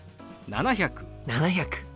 ７００。